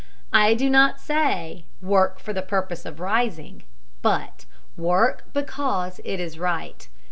I do not say, Work for the purpose of rising, but, Work because it is right.